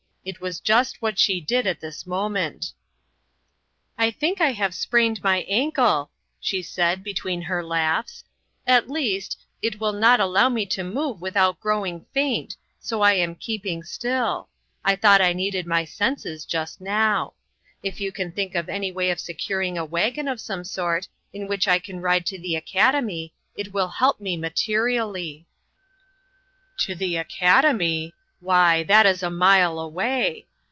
It was just what she did at this moment. " I think I have sprained my ankle," she said between her laughs ;" at least, it will not allow me to move without growing faint, AN OPEN DOOR. 143 so I am keeping still; I thought I needed my senses just now. If you can think of any way of securing a wagon of some sort in which I can ride to the academy, it will help me materially." " To the academy ! Why, that is a mile away